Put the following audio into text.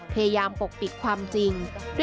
พยายามปกปิดความจริง